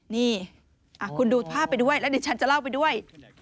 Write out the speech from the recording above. นี่คุณดูภาพไปด้วยแล้วดิฉันจะเล่าไปด้วย